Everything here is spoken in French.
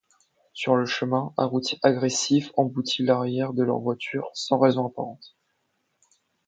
Sur le chemin, un routier agressif emboutit l'arrière de leur voiture sans raison apparente.